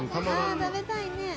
「あっ食べたいね。